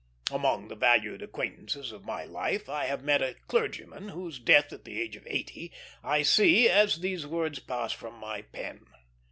Among the valued acquaintances of my life I here met a clergyman, whose death at the age of eighty I see as these words pass from my pen.